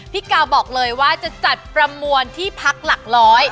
พี่กาวบอกเลยว่าจะจัดประมวลที่พักหลักร้อย